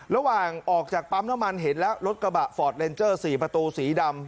ระหว่างออกจากปั๊มน้ำมันเห็นแล้วรถกระบะฟอร์ดเลนเจอร์๔ประตูสีดำ